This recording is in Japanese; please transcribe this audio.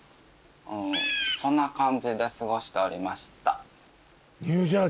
そんな感じで過ごしておりました。